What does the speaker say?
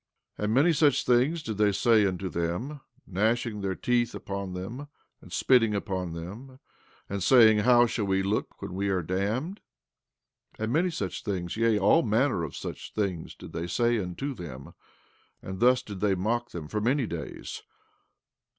14:21 And many such things did they say unto them, gnashing their teeth upon them, and spitting upon them, and saying: How shall we look when we are damned? 14:22 And many such things, yea, all manner of such things did they say unto them; and thus they did mock them for many days.